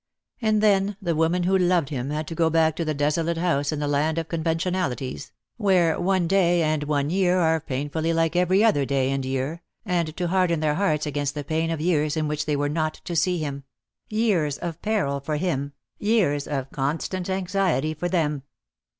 And then the women who loved him had to go back to the desolate house in the land of conven tionalities, where one day and one year are painfully like every other day and year, and to harden their hearts against the pain of years in which they were not to see him, years of peril for him, • years of constant anxiety for them.